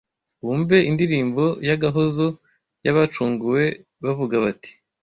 wumve indirimbo y’agahozo y’abacunguwe bavuga bati